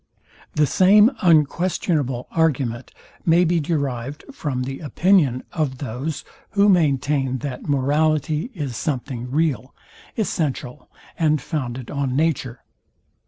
The same unquestionable argument may be derived from the opinion of those, who maintain that morality is something real, essential, and founded on nature.